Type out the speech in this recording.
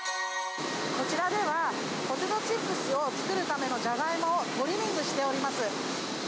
こちらでは、ポテトチップスを作るためのジャガイモをトリミングしております。